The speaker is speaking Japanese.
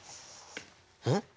うん？